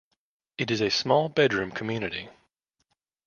It is a small bedroom community.